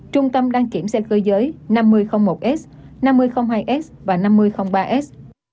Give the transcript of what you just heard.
trung tâm đăng kiểm xe cơ giới năm mươi một s năm mươi hai s và năm mươi ba s